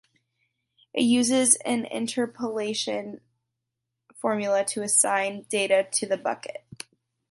It uses an interpolation formula to assign data to the bucket.